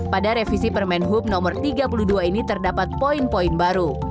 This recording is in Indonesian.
pada revisi permen hub no tiga puluh dua ini terdapat poin poin baru